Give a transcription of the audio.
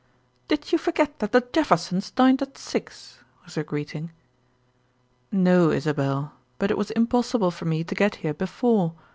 "Did you forget that the Jeffersons dined at six?" was her greeting. "No, Isabel; but it was impossible for me to get here before.